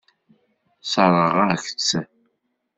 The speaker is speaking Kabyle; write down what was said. Sseṛɣeɣ-ak-tt.